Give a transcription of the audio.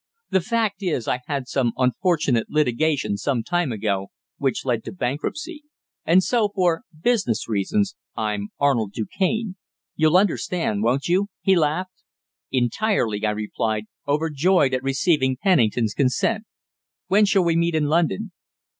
The fact is, I had some unfortunate litigation some time ago, which led to bankruptcy, and so, for business reasons, I'm Arnold Du Cane. You'll understand, won't you?" he laughed. "Entirely," I replied, overjoyed at receiving Pennington's consent. "When shall we meet in London?"